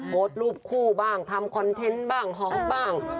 หลูกครูบ้างทำคอนเทนต์บ้างฮอกบ้าง